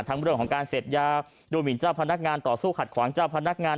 เรื่องของการเสพยาดูหมินเจ้าพนักงานต่อสู้ขัดขวางเจ้าพนักงาน